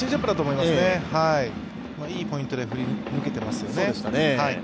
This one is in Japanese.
いいポイントで振り抜けてますよね。